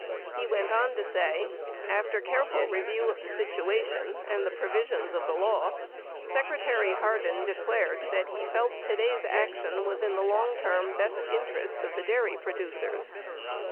He went on to say : [A] fter careful review of the situation and the provisions of the law, Secretary Hardin declared that he felt today's action was in the long term best interests of the dairy producers.